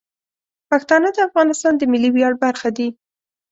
پښتانه د افغانستان د ملي ویاړ برخه دي.